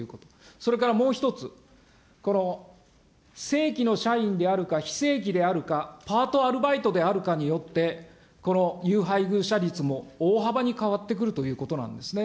それからもう一つ、正規の社員であるか、非正規であるか、パート、アルバイトであるかによって、有配偶者率も大幅に変わってくるということなんですね。